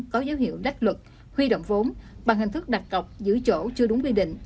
có dấu hiệu lách luật huy động vốn bằng hình thức đặt cọc giữ chỗ chưa đúng quy định